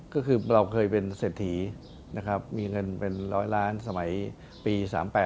ก็คือเราเคยเป็นเศรษฐีนะครับมีเงินเป็น๑๐๐ล้านสมัยปี๓๘